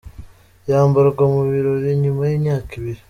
yambarwa mu birori Nyuma y’imyaka ibiri.